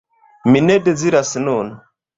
Mi ne deziras nun.